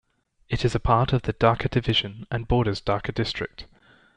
It is a part of the Dhaka Division and borders Dhaka District.